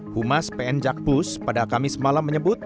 humas pn jakpus pada kamis malam menyebut